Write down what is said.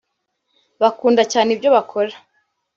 bakunda cyane ibyo bakora